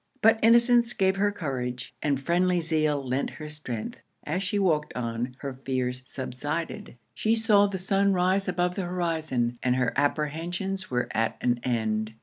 But innocence gave her courage, and friendly zeal lent her strength. As she walked on, her fears subsided. She saw the sun rise above the horizon, and her apprehensions were at an end.